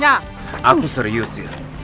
aku serius ya